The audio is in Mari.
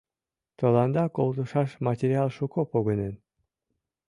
— Тыланда колтышаш материал шуко погынен.